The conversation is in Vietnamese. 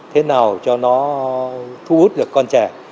thế nào cho nó thu hút được con trẻ